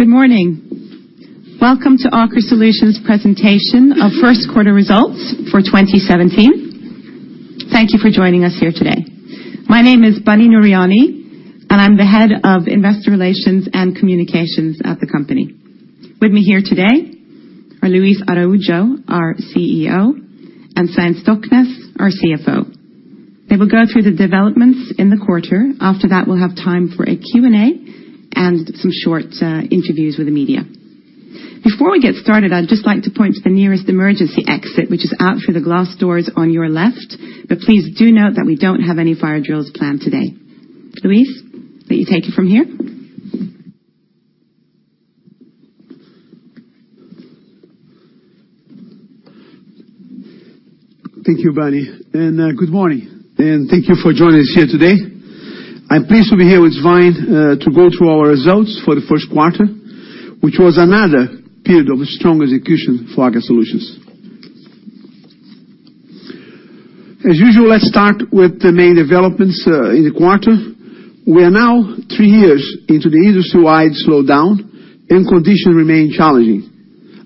Good morning. Welcome to Aker Solutions presentation of first quarter results for 2017. Thank you for joining us here today. My name is Bunny Nooryani, and I'm the Head of Investor Relations and Communications at the company. With me here today are Luis Araujo, our CEO, and Svein Stoknes, our CFO. They will go through the developments in the quarter. After that, we'll have time for a Q&A and some short interviews with the media. Before we get started, I'd just like to point to the nearest emergency exit, which is out through the glass doors on your left. Please do note that we don't have any fire drills planned today. Luis, will you take it from here? Thank you, Bunny, good morning, and thank you for joining us here today. I'm pleased to be here with Svein to go through our results for the first quarter, which was another period of strong execution for Aker Solutions. As usual, let's start with the main developments in the quarter. We are now three years into the industry-wide slowdown. Conditions remain challenging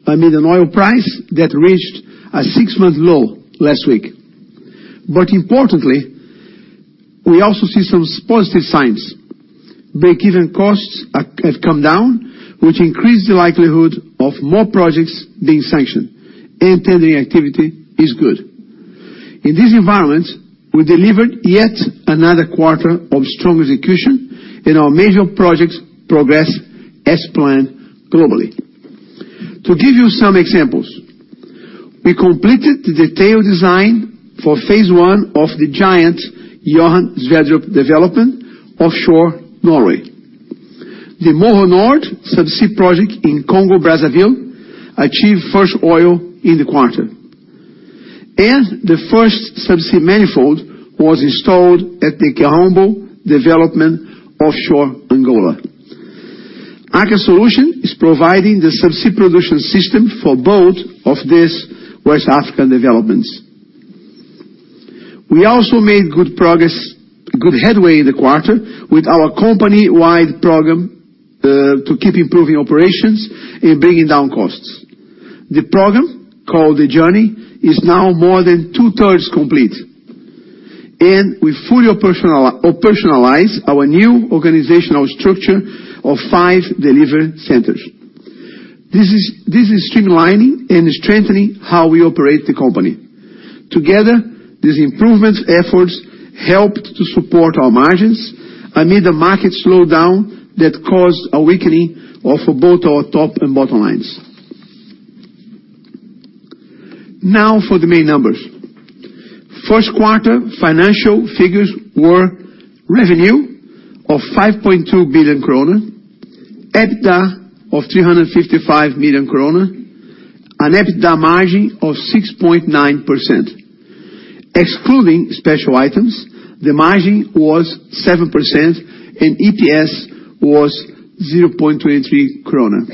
amid an oil price that reached a six month low last week. Importantly, we also see some positive signs. Breakeven costs have come down, which increase the likelihood of more projects being sanctioned. Tendering activity is good. In this environment, we delivered yet another quarter of strong execution in our major projects progress as planned globally. To give you some examples, we completed the detailed design for phase I of the giant Johan Sverdrup development offshore Norway. The Moho Nord subsea project in Congo-Brazzaville achieved first oil in the quarter. The first subsea manifold was installed at the Kaombo development offshore Angola. Aker Solutions is providing the subsea production system for both of these West African developments. We also made good progress, good headway in the quarter with our company-wide program to keep improving operations and bringing down costs. The program, called The Journey, is now more than 2/3 complete. We fully operationalize our new organizational structure of five delivery centers. This is streamlining and strengthening how we operate the company. Together, these improvements efforts helped to support our margins amid the market slowdown that caused a weakening of both our top and bottom lines. Now for the main numbers. First quarter financial figures were revenue of 5.2 billion kroner, EBITDA of 355 million kroner, an EBITDA margin of 6.9%. Excluding special items, the margin was 7% and EPS was 0.23 krone.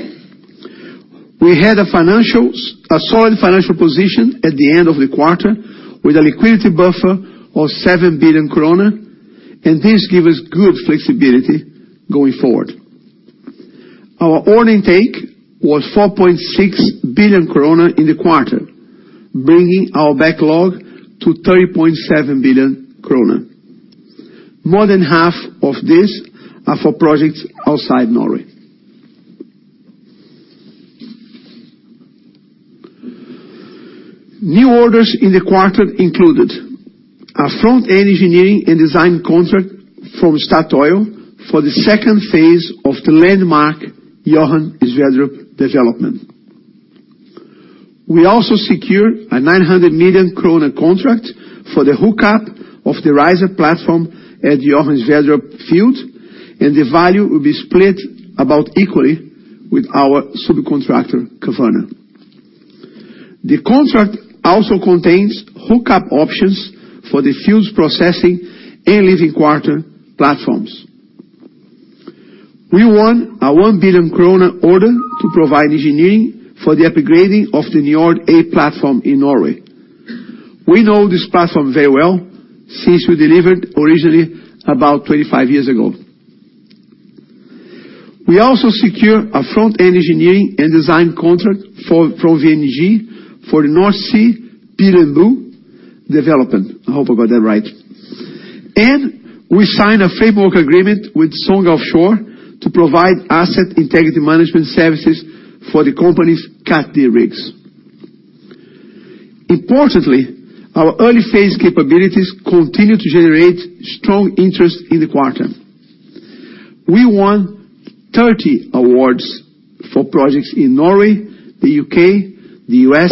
We had a solid financial position at the end of the quarter with a liquidity buffer of 7 billion krone, this give us good flexibility going forward. Our order intake was 4.6 billion krone in the quarter, bringing our backlog to 3.7 billion krone. More than half of this are for projects outside Norway. New orders in the quarter included a front-end engineering and design contract from Statoil for the second phase of the landmark Johan Sverdrup development. We also secured a 900 million kroner contract for the hookup of the riser platform at the Johan Sverdrup field. The value will be split about equally with our subcontractor, Kværner. The contract also contains hookup options for the field's processing and living quarter platforms. We won a 1 billion krone order to provide engineering for the upgrading of the Njord A platform in Norway. We know this platform very well since we delivered originally about 25 years ago. We also secure a front-end engineering and design contract from VNG for the North Sea Pil and Bue development. I hope I got that right. We signed a framework agreement with Songa Offshore to provide asset integrity management services for the company's Cat D rigs. Importantly, our early phase capabilities continue to generate strong interest in the quarter. We won 30 awards for projects in Norway, the U.K., the U.S.,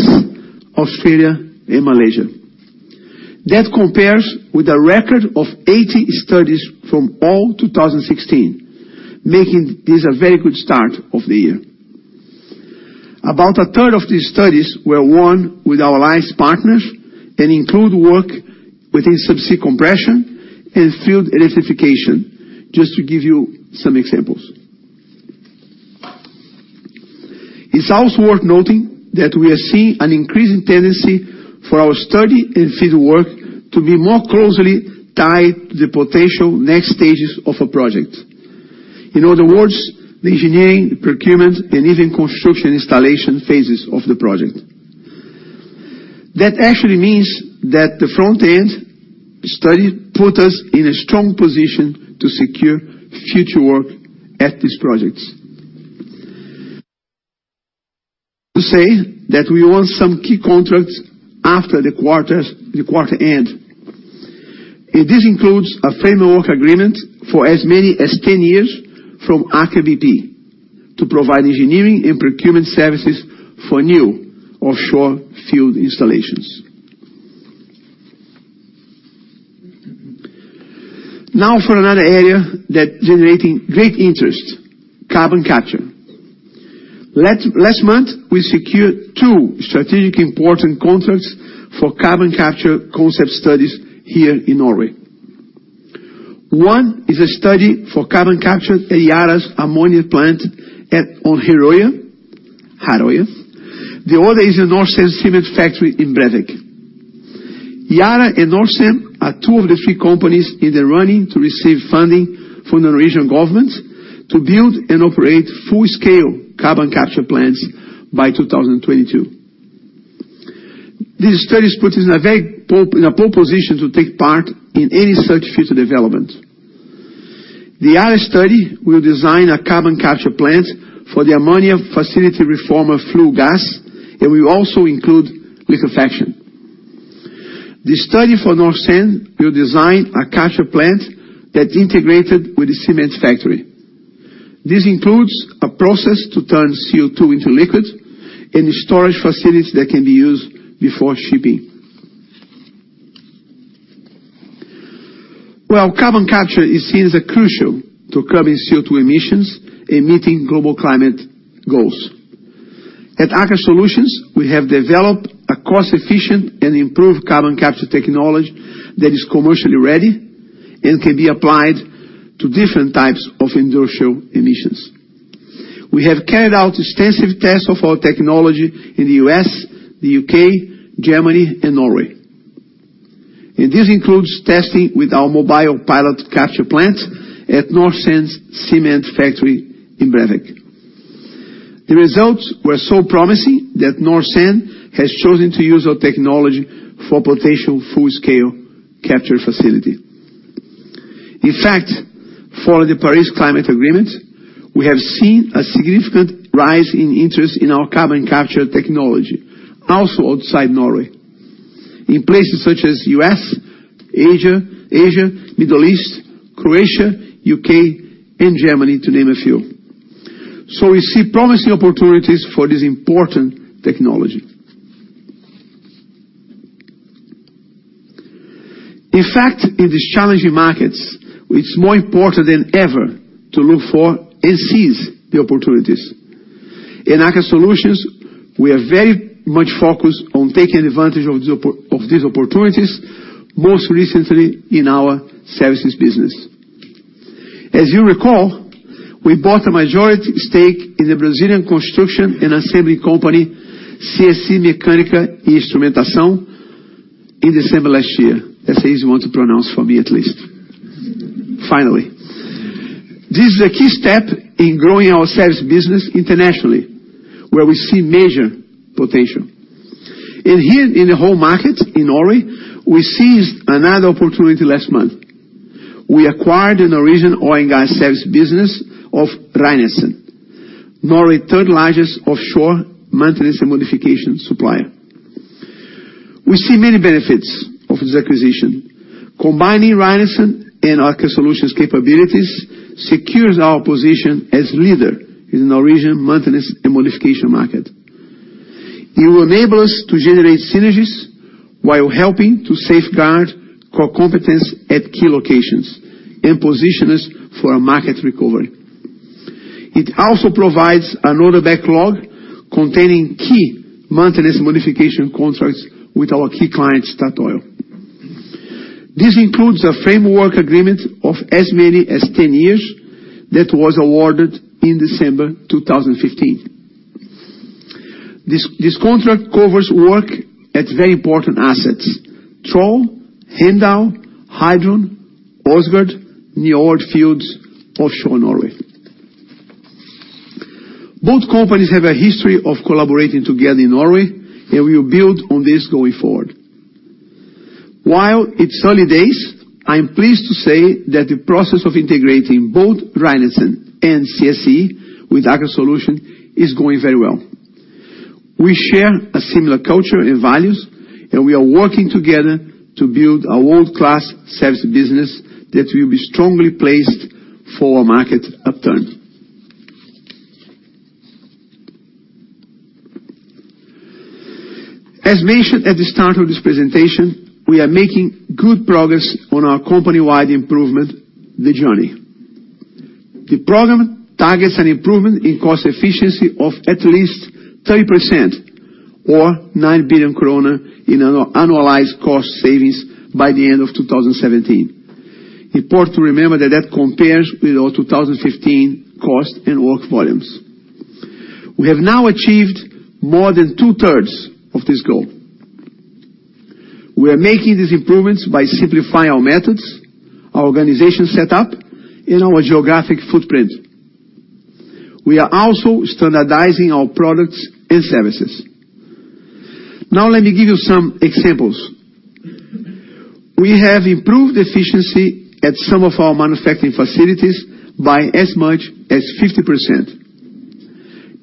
Australia, and Malaysia. That compares with a record of 80 studies from all 2016, making this a very good start of the year. About a third of these studies were won with our alliance partners and include work within subsea compression and field electrification, just to give you some examples. It's also worth noting that we are seeing an increasing tendency for our study and field work to be more closely tied to the potential next stages of a project. In other words, the engineering, procurement, and even construction installation phases of the project. That actually means that the front end study put us in a strong position to secure future work at these projects. To say that we won some key contracts after the quarter end, This includes a framework agreement for as many as 10 years from Aker BP to provide engineering and procurement services for new offshore field installations. Now for another area that generating great interest, carbon capture. Last month, we secured two strategic important contracts for carbon capture concept studies here in Norway. One is a study for carbon capture at Yara's ammonia plant on Herøya. The other is a Norcem cement factory in Brevik. Yara and Norcem are two of the three companies in the running to receive funding from the Norwegian government to build and operate full-scale carbon capture plants by 2022. This study has put us in a very in a pole position to take part in any such future development. The Yara study will design a carbon capture plant for the ammonia facility reformer flue gas, and will also include liquefaction. The study for Norcem will design a capture plant that integrated with the cement factory. This includes a process to turn CO2 into liquids and storage facilities that can be used before shipping. Well, carbon capture is seen as crucial to curbing CO2 emissions and meeting global climate goals. At Aker Solutions, we have developed a cost-efficient and improved carbon capture technology that is commercially ready and can be applied to different types of industrial emissions. We have carried out extensive tests of our technology in the U.S., the U.K., Germany, and Norway. This includes testing with our mobile pilot capture plant at Norcem's cement factory in Brevik. The results were so promising that Norcem has chosen to use our technology for potential full-scale capture facility. In fact, following the Paris Climate Agreement, we have seen a significant rise in interest in our carbon capture technology also outside Norway, in places such as U.S., Asia, Middle East, Croatia, U.K., and Germany, to name a few. We see promising opportunities for this important technology. In fact, in these challenging markets, it's more important than ever to look for and seize the opportunities. In Aker Solutions, we are very much focused on taking advantage of these opportunities, most recently in our services business. As you recall, we bought a majority stake in the Brazilian construction and assembly company, C.S.E. Mecânica e Instrumentação, in December last year. That's an easy one to pronounce for me, at least. Finally. This is a key step in growing our service business internationally, where we see major potential. Here in the home market in Norway, we seized another opportunity last month. We acquired an origin oil and gas service business of Reinertsen, Norway third-largest offshore maintenance and modification supplier. We see many benefits of this acquisition. Combining Reinertsen and Aker Solutions' capabilities secures our position as leader in the Norwegian maintenance and modification market. It will enable us to generate synergies while helping to safeguard core competence at key locations and position us for a market recovery. It also provides another backlog containing key maintenance modification contracts with our key client, Statoil. This includes a framework agreement of as many as 10 years that was awarded in December 2015. This contract covers work at very important assets, Troll, Heidrun, Åsgard, Njord fields, offshore Norway. Both companies have a history of collaborating together in Norway, and we will build on this going forward. While it's early days, I'm pleased to say that the process of integrating both Reinertsen and CSE with Aker Solutions is going very well. We share a similar culture and values, and we are working together to build a world-class service business that will be strongly placed for a market upturn. As mentioned at the start of this presentation, we are making good progress on our company-wide improvement, The Journey. The program targets an improvement in cost efficiency of at least 30% or 9 billion kroner in an annualized cost savings by the end of 2017. Important to remember that that compares with our 2015 cost and work volumes. We have now achieved more than two-thirds of this goal. We are making these improvements by simplifying our methods, our organization set up, and our geographic footprint. We are also standardizing our products and services. Let me give you some examples. We have improved efficiency at some of our manufacturing facilities by as much as 50%.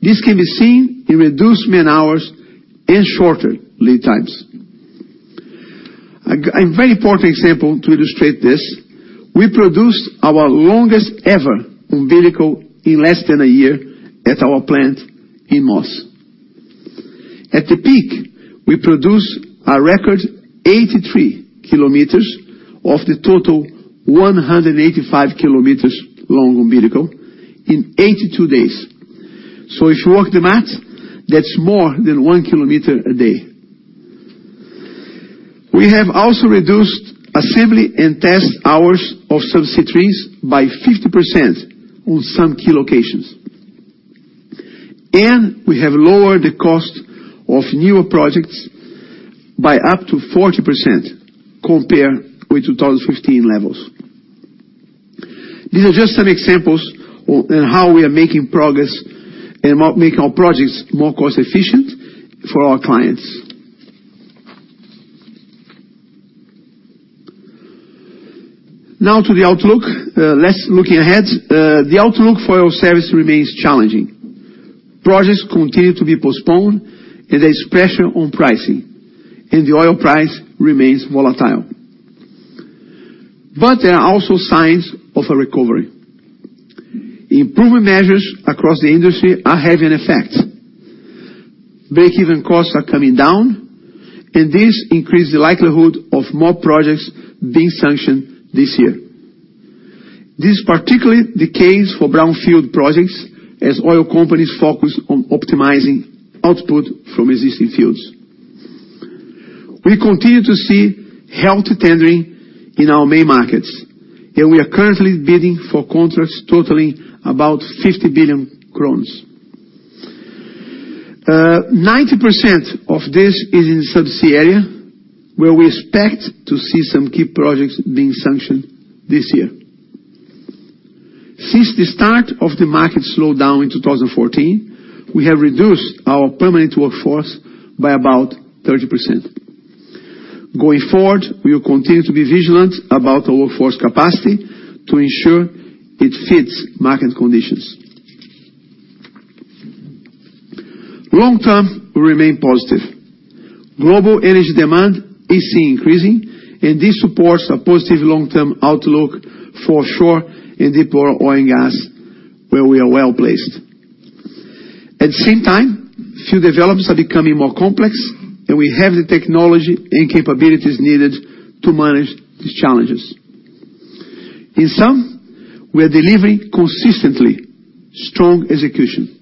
This can be seen in reduced man-hours and shorter lead times. A very important example to illustrate this, we produced our longest ever umbilical in less than a year at our plant in Moss. At the peak, we produced a record 83 km of the total 185 km long umbilical in 82 days. If you work the math, that's more than 1 km a day. We have also reduced assembly and test hours of subsea trees by 50% on some key locations. We have lowered the cost of newer projects by up to 40% compared with 2015 levels. These are just some examples on how we are making progress and making our projects more cost efficient for our clients. Now to the outlook. Let's looking ahead. The outlook for our service remains challenging. Projects continue to be postponed, and there's pressure on pricing, and the oil price remains volatile. There are also signs of a recovery. Improvement measures across the industry are having an effect. Breakeven costs are coming down, and this increase the likelihood of more projects being sanctioned this year. This is particularly the case for brownfield projects as oil companies focus on optimizing output from existing fields. We continue to see healthy tendering in our main markets, and we are currently bidding for contracts totaling about 50 billion. 90% of this is in subsea area, where we expect to see some key projects being sanctioned this year. Since the start of the market slowdown in 2014, we have reduced our permanent workforce by about 30%. Going forward, we will continue to be vigilant about our workforce capacity to ensure it fits market conditions. Long term will remain positive. Global energy demand is seen increasing. This supports a positive long-term outlook for offshore and deepwater oil and gas, where we are well-placed. At the same time, field developments are becoming more complex. We have the technology and capabilities needed to manage these challenges. In sum, we are delivering consistently strong execution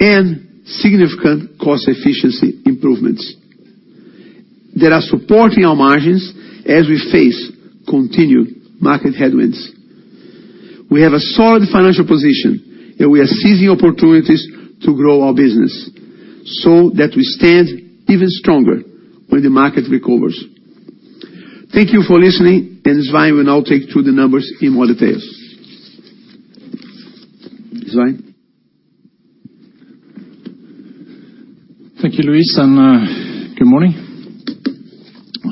and significant cost efficiency improvements that are supporting our margins as we face continued market headwinds. We have a solid financial position. We are seizing opportunities to grow our business so that we stand even stronger when the market recovers. Thank you for listening. Svein will now take you through the numbers in more details. Svein? Thank you, Luis. Good morning.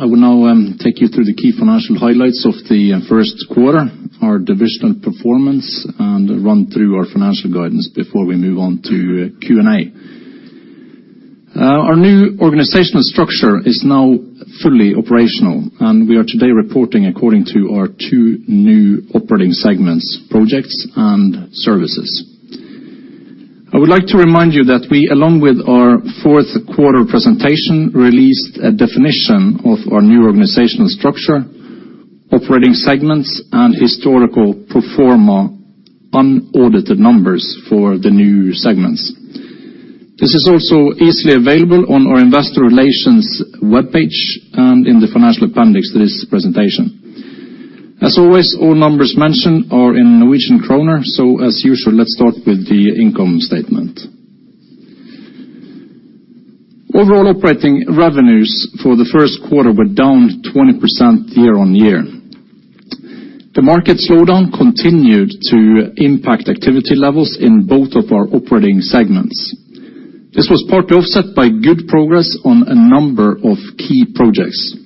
I will now take you through the key financial highlights of the first quarter, our divisional performance, and run through our financial guidance before we move on to Q&A. Our new organizational structure is now fully operational. We are today reporting according to our two new operating segments, projects and services. I would like to remind you that we, along with our fourth quarter presentation, released a definition of our new organizational structure, operating segments, and historical pro forma unaudited numbers for the new segments. This is also easily available on our investor relations webpage and in the financial appendix to this presentation. As always, all numbers mentioned are in Norwegian kroner. As usual, let's start with the income statement. Overall operating revenues for the first quarter were down 20% year-over-year. The market slowdown continued to impact activity levels in both of our operating segments. This was partly offset by good progress on a number of key projects.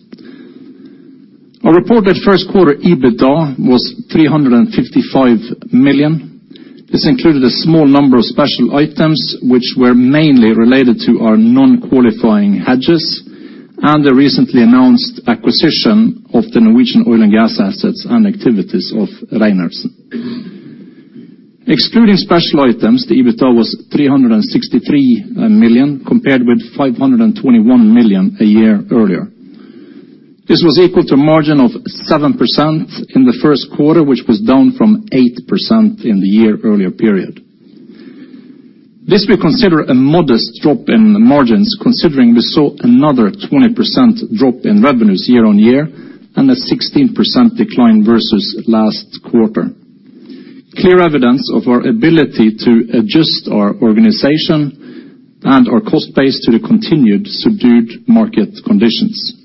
Our reported first quarter EBITDA was 355 million. This included a small number of special items, which were mainly related to our non-qualifying hedges and the recently announced acquisition of the Norwegian oil and gas assets and activities of Reinertsen. Excluding special items, the EBITDA was 363 million, compared with 521 million a year earlier. This was equal to a margin of 7% in the first quarter, which was down from 8% in the year earlier period. This we consider a modest drop in margins, considering we saw another 20% drop in revenues year-on-year, and a 16% decline versus last quarter. Clear evidence of our ability to adjust our organization and our cost base to the continued subdued market conditions.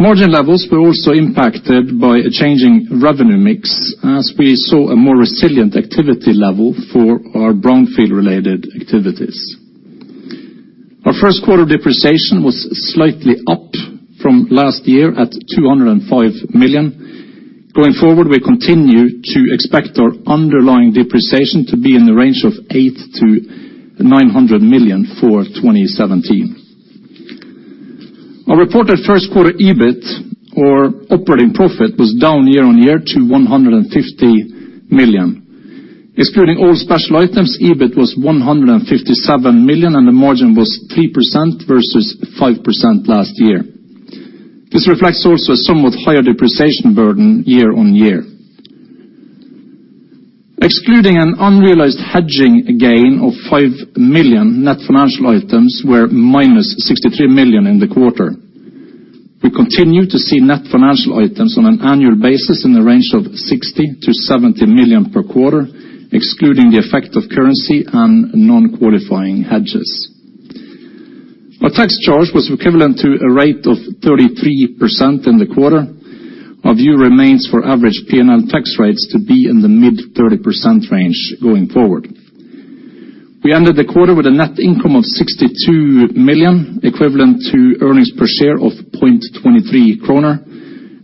Margin levels were also impacted by a changing revenue mix as we saw a more resilient activity level for our brownfield-related activities. Our first quarter depreciation was slightly up from last year at 205 million. Going forward, we continue to expect our underlying depreciation to be in the range of 800 million-900 million for 2017. Our reported first quarter EBIT or operating profit was down year-on-year to 150 million. Excluding all special items, EBIT was 157 million, and the margin was 3% versus 5% last year. This reflects also a somewhat higher depreciation burden year-on-year. Excluding an unrealized hedging gain of 5 million, net financial items were -63 million in the quarter. We continue to see net financial items on an annual basis in the range of 60 million-70 million per quarter, excluding the effect of currency and non-qualifying hedges. Our tax charge was equivalent to a rate of 33% in the quarter. Our view remains for average P&L tax rates to be in the mid-30% range going forward. We ended the quarter with a net income of 62 million, equivalent to earnings per share of 0.23 kroner.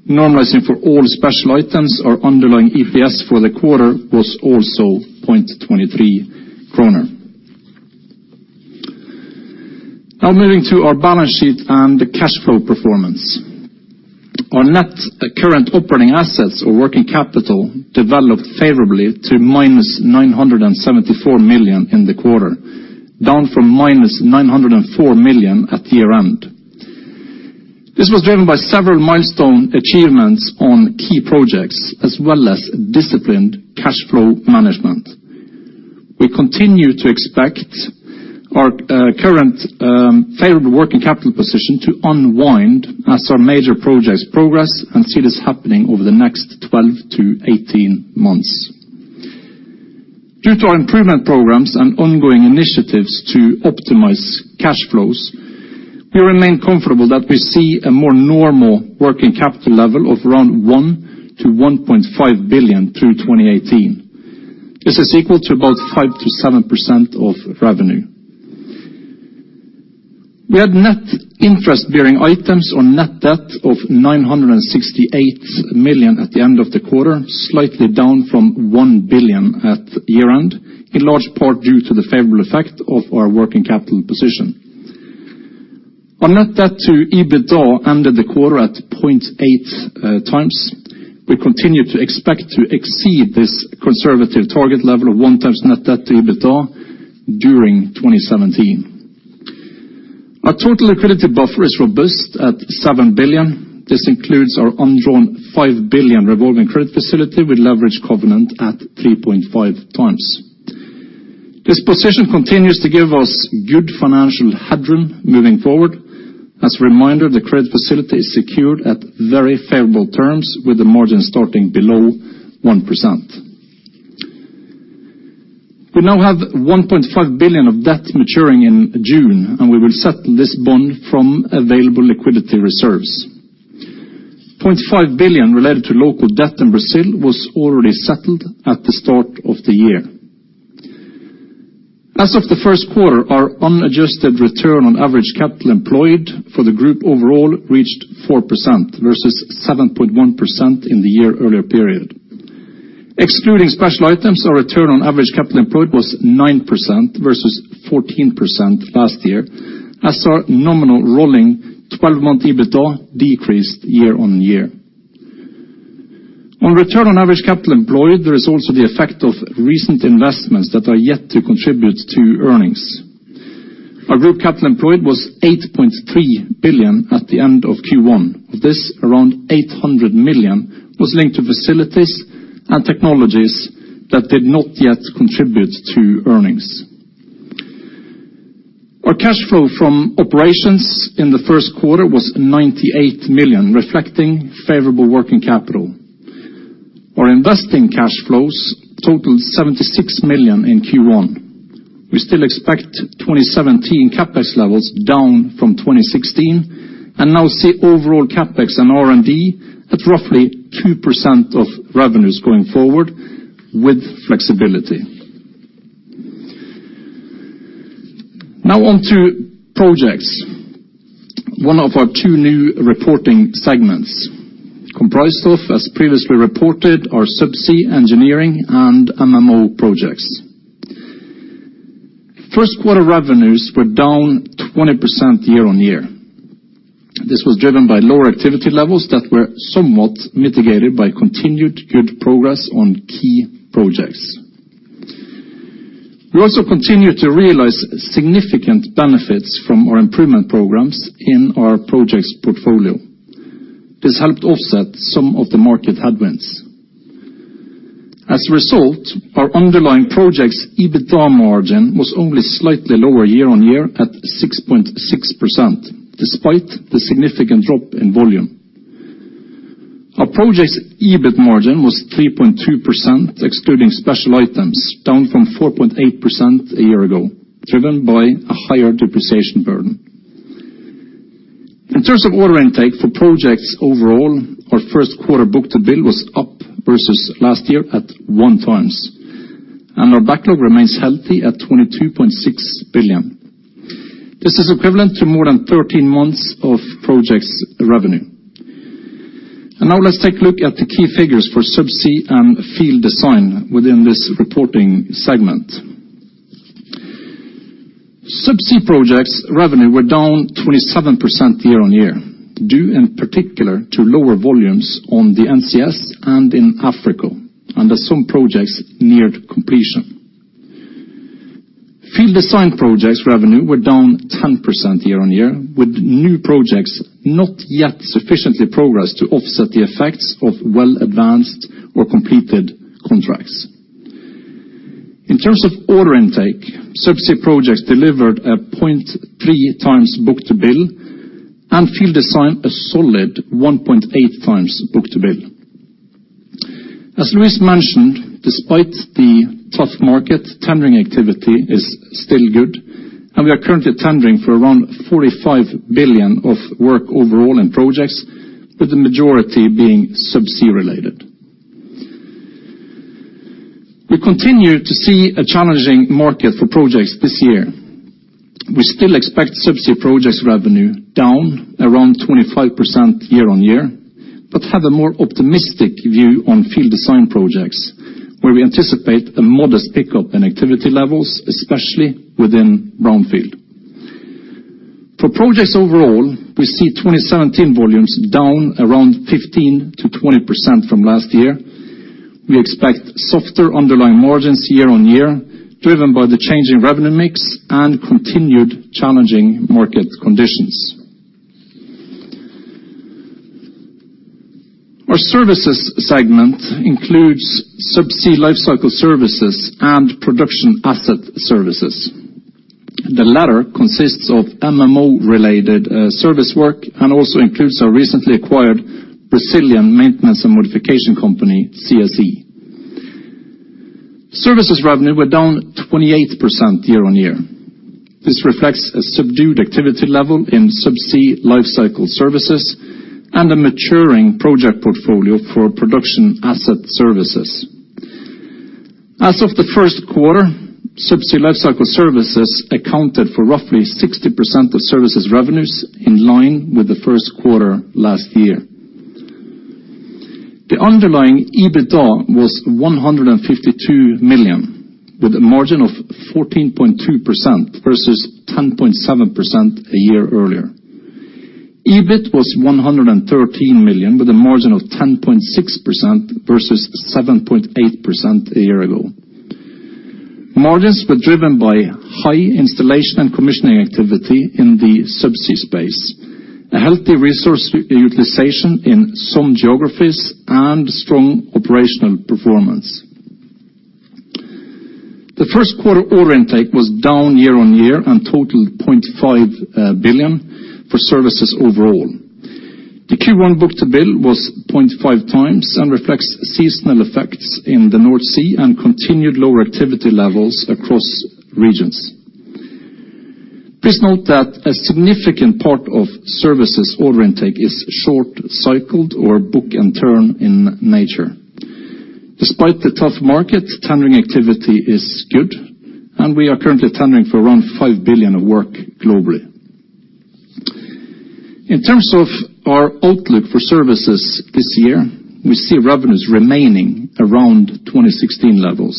Normalizing for all special items, our underlying EPS for the quarter was also 0.23 kroner. Moving to our balance sheet and the cash flow performance. Our net current operating assets or working capital developed favorably to -974 million in the quarter, down from -904 million at year-end. This was driven by several milestone achievements on key projects as well as disciplined cash flow management. We continue to expect our current favorable working capital position to unwind as our major projects progress and see this happening over the next 12-18 months. Due to our improvement programs and ongoing initiatives to optimize cash flows, we remain comfortable that we see a more normal working capital level of around 1 billion-1.5 billion through 2018. This is equal to about 5%-7% of revenue. We had net interest-bearing items or net debt of 968 million at the end of the quarter, slightly down from 1 billion at year-end, in large part due to the favorable effect of our working capital position. Our net debt to EBITDA under the quarter at 0.8 times, we continue to expect to exceed this conservative target level of one time net debt to EBITDA during 2017. Our total liquidity buffer is robust at 7 billion. This includes our undrawn 5 billion revolving credit facility with leverage covenant at 3.5 times. This position continues to give us good financial headroom moving forward. As a reminder, the credit facility is secured at very favorable terms, with the margin starting below 1%. We now have 1.5 billion of debt maturing in June. We will settle this bond from available liquidity reserves. 0.5 billion related to local debt in Brazil was already settled at the start of the year. As of the first quarter, our unadjusted return on average capital employed for the group overall reached 4% versus 7.1% in the year-earlier period. Excluding special items, our return on average capital employed was 9% versus 14% last year as our nominal rolling 12 month EBITDA decreased year-on-year. On return on average capital employed, there is also the effect of recent investments that are yet to contribute to earnings. Our group capital employed was 8.3 billion at the end of Q1. Of this, around 800 million was linked to facilities and technologies that did not yet contribute to earnings. Our cash flow from operations in the first quarter was 98 million, reflecting favorable working capital. Our investing cash flows totaled 76 million in Q1. We still expect 2017 CapEx levels down from 2016 and now see overall CapEx and R&D at roughly 2% of revenues going forward with flexibility. On to Projects, one of our two new reporting segments comprised of, as previously reported, our subsea engineering and MMO projects. First quarter revenues were down 20% year-over-year. This was driven by lower activity levels that were somewhat mitigated by continued good progress on key projects. We also continue to realize significant benefits from our improvement programs in our projects portfolio. This helped offset some of the market headwinds. A result, our underlying projects EBITDA margin was only slightly lower year-over-year at 6.6%, despite the significant drop in volume. Our projects EBITDA margin was 3.2% excluding special items, down from 4.8% a year ago, driven by a higher depreciation burden. In terms of order intake for projects overall, our first quarter book-to-bill was up versus last year at one times. Our backlog remains healthy at 22.6 billion. This is equivalent to more than 13 months of projects revenue. Now let's take a look at the key figures for subsea and field design within this reporting segment. Subsea projects revenue were down 27% year-on-year, due in particular to lower volumes on the NCS and in Africa, and as some projects neared completion. Field design projects revenue were down 10% year-on-year, with new projects not yet sufficiently progressed to offset the effects of well-advanced or completed contracts. In terms of order intake, subsea projects delivered a 0.3 times book-to-bill, and field design, a solid 1.8 times book-to-bill. As Luis mentioned, despite the tough market, tendering activity is still good, and we are currently tendering for around 45 billion of work overall in projects, with the majority being subsea-related. We continue to see a challenging market for projects this year. We still expect subsea projects revenue down around 25% year-on-year, but have a more optimistic view on field design projects, where we anticipate a modest pickup in activity levels, especially within brownfield. For projects overall, we see 2017 volumes down around 15%-20% from last year. We expect softer underlying margins year-on-year, driven by the change in revenue mix and continued challenging market conditions. Our services segment includes subsea lifecycle services and production asset services. The latter consists of MMO-related service work and also includes our recently acquired Brazilian maintenance and modification company, CSE. Services revenue were down 28% year-on-year. This reflects a subdued activity level in subsea lifecycle services and a maturing project portfolio for production asset services. As of the first quarter, subsea lifecycle services accounted for roughly 60% of services revenues in line with the first quarter last year. The underlying EBITDA was 152 million, with a margin of 14.2% versus 10.7% a year earlier. EBIT was 113 million, with a margin of 10.6% versus 7.8% a year ago. Margins were driven by high installation and commissioning activity in the subsea space, a healthy resource utilization in some geographies, and strong operational performance. The first quarter order intake was down year-on-year and totaled 0.5 billion for services overall. The Q1 book-to-bill was 0.5 times and reflects seasonal effects in the North Sea and continued lower activity levels across regions. Please note that a significant part of services order intake is short cycled or book-and-turn in nature. Despite the tough market, tendering activity is good, and we are currently tendering for around 5 billion of work globally. In terms of our outlook for services this year, we see revenues remaining around 2016 levels.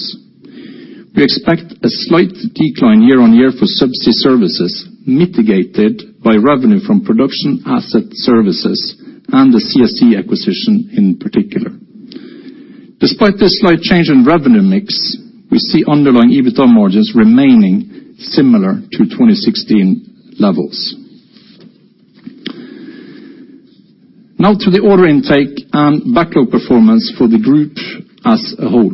We expect a slight decline year-on-year for subsea services, mitigated by revenue from production asset services and the CSE acquisition in particular. Despite this slight change in revenue mix, we see underlying EBITDA margins remaining similar to 2016 levels. To the order intake and backlog performance for the group as a whole.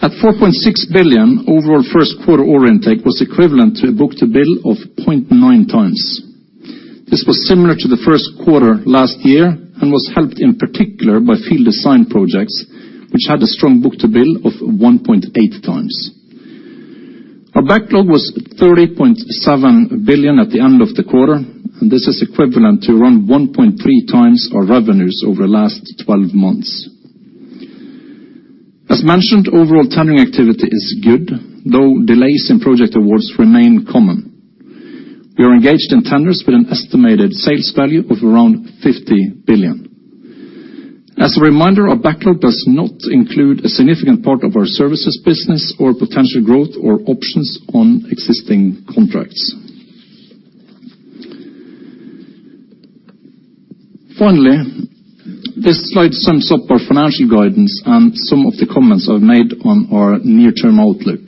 At 4.6 billion, overall first quarter order intake was equivalent to a book-to-bill of 0.9 times. This was similar to the first quarter last year and was helped in particular by field design projects, which had a strong book-to-bill of 1.8 times. Our backlog was 30.7 billion at the end of the quarter. This is equivalent to around 1.3 times our revenues over the last 12 months. As mentioned, overall tendering activity is good, though delays in project awards remain common. We are engaged in tenders with an estimated sales value of around 50 billion. As a reminder, our backlog does not include a significant part of our services business or potential growth or options on existing contracts. Finally, this slide sums up our financial guidance and some of the comments I've made on our near-term outlook.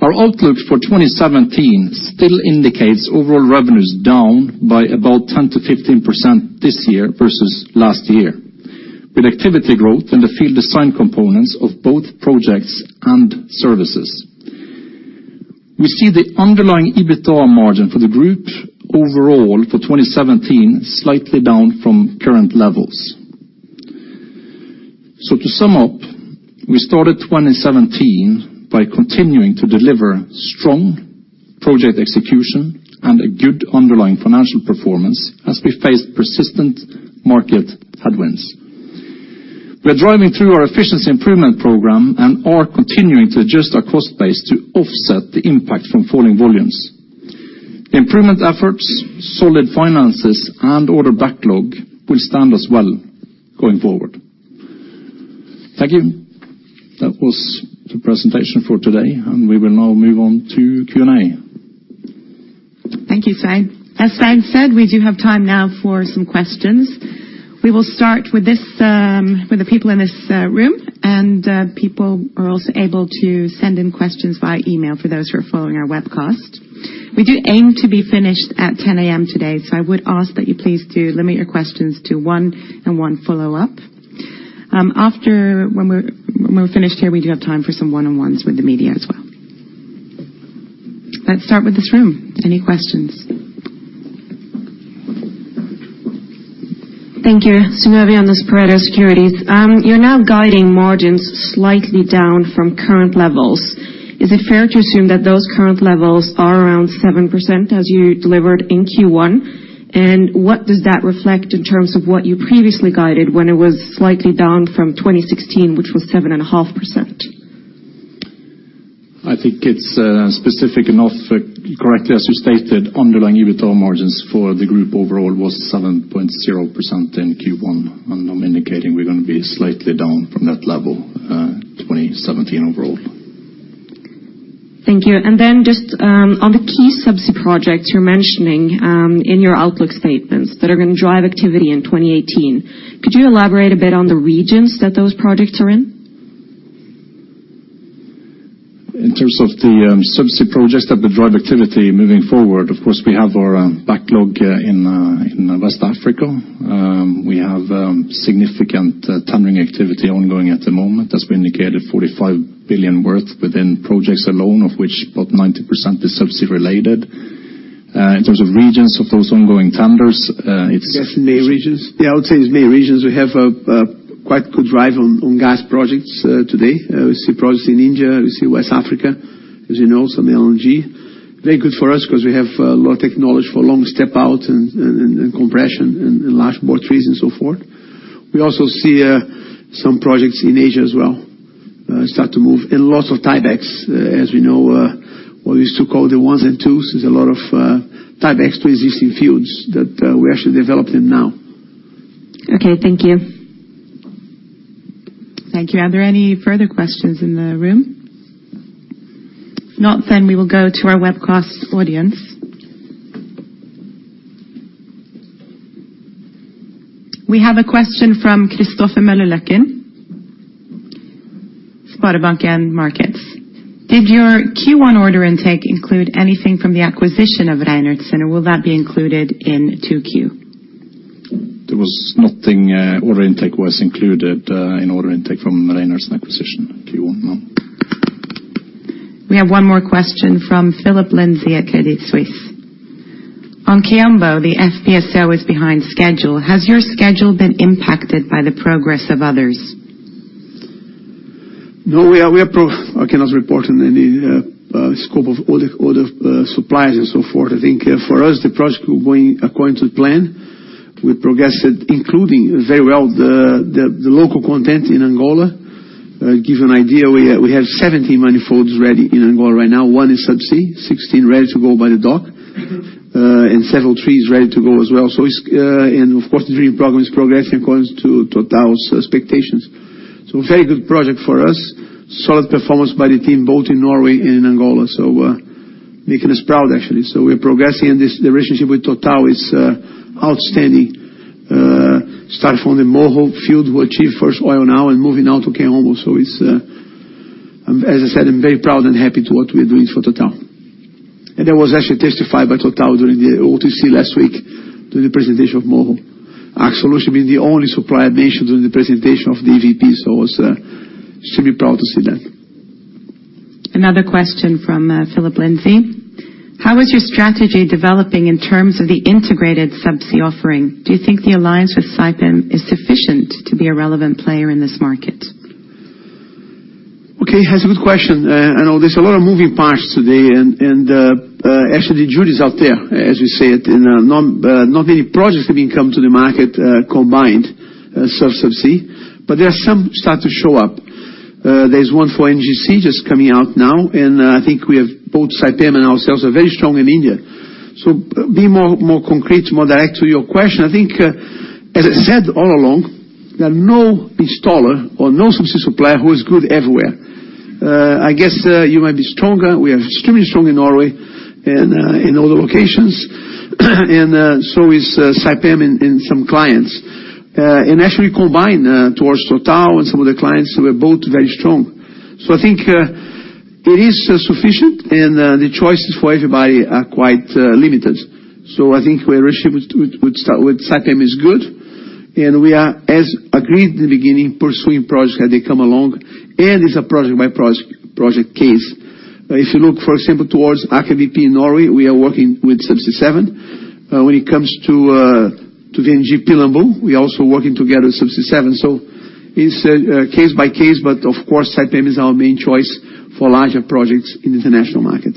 Our outlook for 2017 still indicates overall revenues down by about 10%-15% this year versus last year, with activity growth in the field design components of both projects and services. We see the underlying EBITDA margin for the group overall for 2017 slightly down from current levels. To sum up, we started 2017 by continuing to deliver strong project execution and a good underlying financial performance as we faced persistent market headwinds. We're driving through our efficiency improvement program and are continuing to adjust our cost base to offset the impact from falling volumes. Improvement efforts, solid finances, and order backlog will stand us well going forward. Thank you. That was the presentation for today. We will now move on to Q&A. Thank you, Svein. As Svein said, we do have time now for some questions. We will start with this with the people in this room, and people are also able to send in questions via email for those who are following our webcast. We do aim to be finished at 10:00 A.M. today, so I would ask that you please do limit your questions to one and one follow-up. After, when we're finished here, we do have time for some one-on-ones with the media as well. Let's start with this room. Any questions? Thank you. Tom Erik Kristiansen on the Pareto Securities. You're now guiding margins slightly down from current levels. Is it fair to assume that those current levels are around 7% as you delivered in Q1? What does that reflect in terms of what you previously guided when it was slightly down from 2016, which was 7.5%? I think it's specific enough. Correct as you stated, underlying EBITDA margins for the group overall was 7.0% in Q1. I'm indicating we're gonna be slightly down from that level, 2017 overall. Thank you. Just on the key Subsea projects you're mentioning, in your outlook statements that are gonna drive activity in 2018, could you elaborate a bit on the regions that those projects are in? In terms of the Subsea projects that will drive activity moving forward, of course, we have our backlog in West Africa. We have significant tendering activity ongoing at the moment. As we indicated, 45 billion worth within projects alone, of which about 90% is Subsea related. In terms of regions of those ongoing tenders. Yes, in many regions. I would say it's many regions. We have quite good drive on gas projects today. We see projects in India. We see West Africa, as you know, some LNG. Very good for us because we have a lot of technology for long step out and compression and large bore trees and so forth. We also see some projects in Asia as well, start to move, and lots of tiebacks. As we know, what we used to call the ones and twos. There's a lot of tiebacks to existing fields that we actually developed them now. Okay, thank you. Thank you. Are there any further questions in the room? If not, We will go to our webcast audience. We have a question from Christopher Møllerløkken, SpareBank 1 Markets. Did your Q1 order intake include anything from the acquisition of Reinertsen, or will that be included in 2Q? There was nothing. Order intake was included in order intake from Reinertsen acquisition, Q1, no. We have one more question from Philip Lindsay at Credit Suisse. On Kaombo, the FPSO is behind schedule. Has your schedule been impacted by the progress of others? No, we are pro... I cannot report on any scope of other suppliers and so forth. I think, for us, the project going according to plan. We progressed, including very well the local content in Angola. Give you an idea, we have 17 manifolds ready in Angola right now. One is Subsea, 16 ready to go by the dock, and several trees ready to go as well. It's, and of course, the drilling program is progressing according to Total's expectations. Very good project for us. Solid performance by the team, both in Norway and Angola, so making us proud actually. We're progressing, and this, the relationship with Total is outstanding. Start from the Moho field, we achieve first oil now and moving now to Kaombo. It's, as I said, I'm very proud and happy to what we're doing for Total. That was actually testified by Total during the OTC last week during the presentation of Moho. Aker Solutions being the only supplier mentioned during the presentation of the EVP, I was extremely proud to see that. Another question from Philip Lindsay. How is your strategy developing in terms of the Integrated Subsea offering? Do you think the alliance with Saipem is sufficient to be a relevant player in this market? Okay. That's a good question. I know there's a lot of moving parts today and, actually, the jury's out there, as you say it. Not many projects have come to the market combined SURF Subsea, but there are some start to show up. There's one for ONGC just coming out now, and I think we have both Saipem and ourselves are very strong in India. To be more concrete, more direct to your question, I think, as I said all along, there are no installer or no Subsea supplier who is good everywhere. I guess you might be stronger. We are extremely strong in Norway and in other locations, and so is Saipem in some clients. Actually combined towards Total and some other clients, we're both very strong. I think it is sufficient, and the choices for everybody are quite limited. I think our relationship with Saipem is good, and we are, as agreed in the beginning, pursuing projects as they come along, and it's a project-by-project, project case. If you look, for example, towards Aker BP in Norway, we are working with Subsea 7. When it comes to the NGPL, we're also working together with Subsea 7. It's case by case. Of course Saipem is our main choice for larger projects in the international market.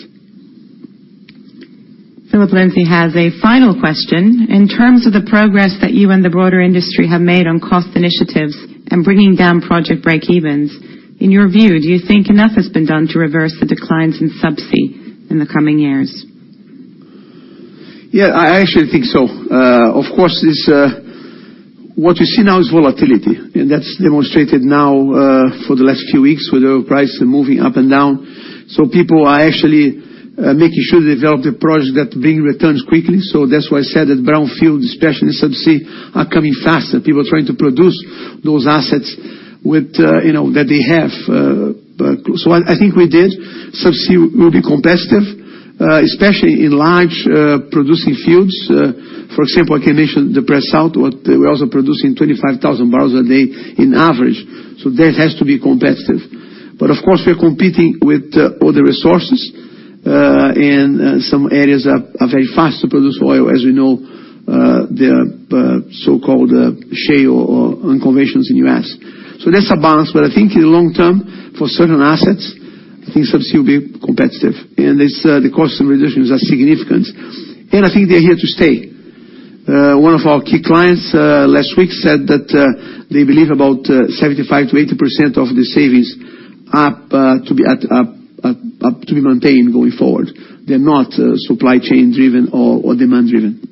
Philip Lindsay has a final question: In terms of the progress that you and the broader industry have made on cost initiatives and bringing down project breakevens, in your view, do you think enough has been done to reverse the declines in Subsea in the coming years? Yeah, I actually think so. Of course, this... What we see now is volatility, and that's demonstrated now for the last few weeks with the oil prices moving up and down. People are actually making sure they develop the projects that bring returns quickly. That's why I said that brownfield, especially in Subsea, are coming faster. People are trying to produce those assets with, you know, that they have, so I think we did. Subsea will be competitive, especially in large producing fields. For example, I can mention the Pre-Salt, what we're also producing 25,000 barrels a day in average. That has to be competitive. Of course, we are competing with other resources. Some areas are very fast to produce oil, as you know, the so-called shale or unconventions in U.S. That's a balance, but I think in the long term, for certain assets, I think Subsea will be competitive. The cost reductions are significant, and I think they're here to stay. One of our key clients last week said that they believe about 75%-80% of the savings are to be maintained going forward. They're not supply chain driven or demand driven.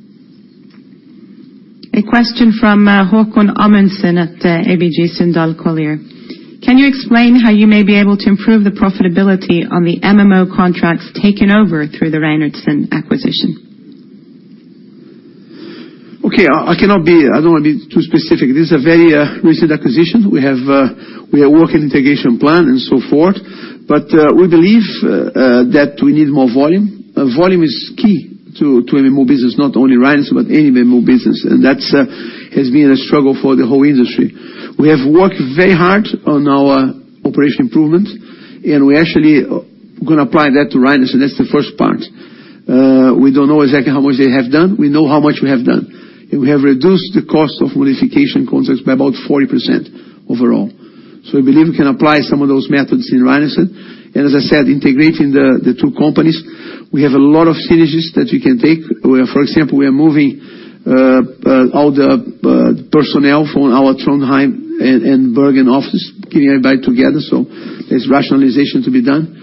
A question from Haakon Amundsen at ABG Sundal Collier. Can you explain how you may be able to improve the profitability on the MMO contracts taken over through the Reinertsen acquisition? Okay. I cannot be, I don't wanna be too specific. This is a very recent acquisition. We are working integration plan and so forth. We believe that we need more volume. Volume is key to MMO business, not only Reinertsen, but any MMO business. That's has been a struggle for the whole industry. We have worked very hard on our operation improvements. We actually gonna apply that to Reinertsen. That's the first part. We don't know exactly how much they have done. We know how much we have done. We have reduced the cost of modification contracts by about 40% overall. We believe we can apply some of those methods in Reinertsen. As I said, integrating the two companies, we have a lot of synergies that we can take, where, for example, we are moving all the personnel from our Trondheim and Bergen office, getting everybody together, so there's rationalization to be done.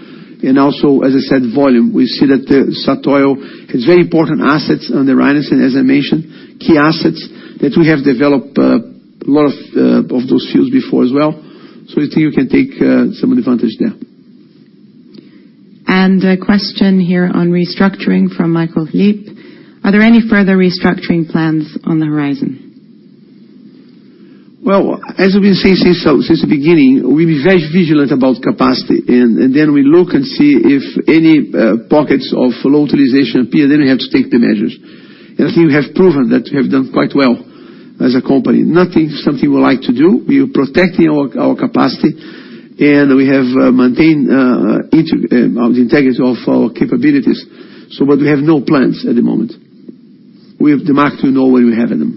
Also, as I said, volume. We see that Statoil has very important assets under Reinertsen, as I mentioned, key assets that we have developed a lot of those fields before as well. I think we can take some of the advantage there. A question here on restructuring from Michael Pickup. Are there any further restructuring plans on the horizon? Well, as we've been saying since the beginning, we be very vigilant about capacity and then we look and see if any pockets of low utilization appear, then we have to take the measures. I think we have proven that we have done quite well as a company. Nothing is something we like to do. We are protecting our capacity, and we have maintained the integrity of our capabilities. We have no plans at the moment. We have demand, we know what we have in them.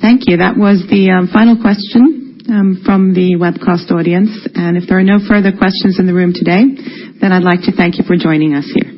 Thank you. That was the final question from the webcast audience. If there are no further questions in the room today, then I'd like to thank you for joining us here.